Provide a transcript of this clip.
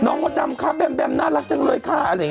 มดดำค่ะแบมแบมน่ารักจังเลยค่ะอะไรอย่างนี้